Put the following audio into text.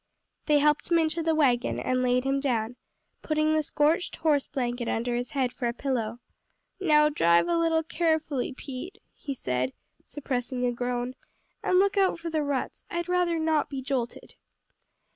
They helped him into the wagon and laid him down, putting the scorched horse blanket under his head for a pillow. "Now drive a little carefully, Pete," he said, suppressing a groan, "and look out for the ruts, I'd rather not be jolted.